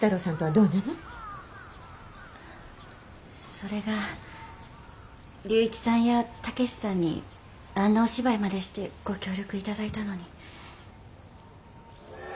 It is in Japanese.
それが龍一さんや武さんにあんなお芝居までしてご協力頂いたのに。